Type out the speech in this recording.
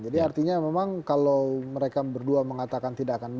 jadi artinya memang kalau mereka berdua mengatakan tidak akan mengusur